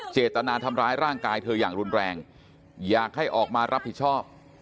เจตนาทำร้ายร่างกายเธออย่างรุนแรงอยากให้ออกมารับผิดชอบ